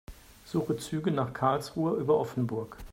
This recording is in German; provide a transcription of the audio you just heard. Suche Züge nach Karlsruhe über Offenburg.